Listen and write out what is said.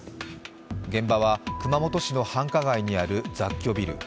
現場は熊本市の繁華街にある雑居ビル。